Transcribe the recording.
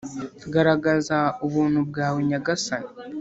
garagaza ubuntu bwawe nyagasani